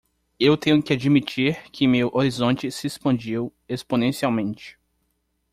Eu tenho que admitir que meu horizonte se expandiu exponencialmente.